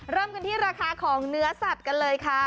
เริ่มกันที่ราคาของเนื้อสัตว์กันเลยค่ะ